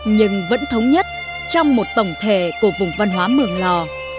nhưng vẫn thống nhất trong một tổng thể của vùng văn hóa mường lò